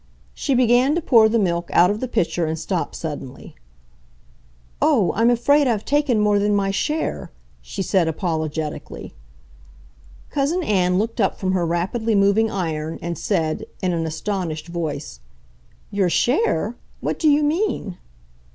She began to pour the milk out of the pitcher and stopped suddenly. "Oh, I'm afraid I've taken more than my share!" she said apologetically. Cousin Ann looked up from her rapidly moving iron, and said, in an astonished voice: "Your share? What do you mean?"